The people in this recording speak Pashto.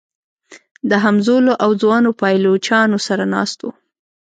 د همزولو او ځوانو پایلوچانو سره ناست و.